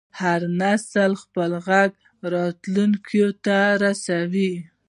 هر نسل خپل غږ راتلونکي ته رسوي.